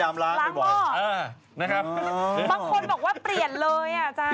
บางคนบอกว่าเปลี่ยนเลยอ่ะจ๊ะ